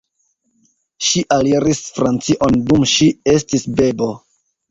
Ŝi aliris Francion dum ŝi estis bebo.